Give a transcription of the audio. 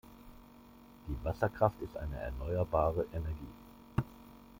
Die Wasserkraft ist eine erneuerbare Energie.